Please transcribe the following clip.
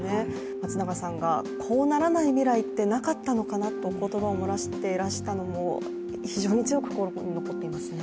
松永さんが、こうならない未来ってなかったのかなって言葉を漏らしていらしたのも非常に強く、心に残っていますね。